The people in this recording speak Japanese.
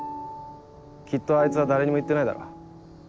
きっとあいつは誰にも言ってないだろう。